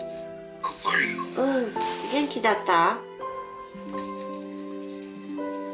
うん元気だった？